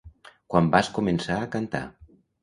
quan vas començar a cantar